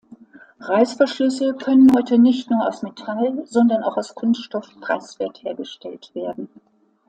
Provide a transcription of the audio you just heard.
Reißverschlüsse können heute nicht nur aus Metall, sondern auch aus Kunststoff preiswert hergestellt werden.